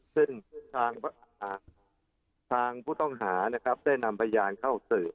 ซึ่งทางทางผู้ต้องหานะครับได้นำประยานเข้าสื่อนะครับ